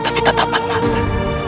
tapi tetapan mata